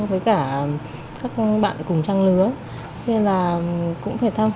một bé một mươi ba tháng và một bé sáu tuổi